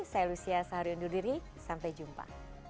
saya lucia saharionduliri sampai jumpa